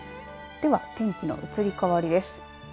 では天気の移り変わりです。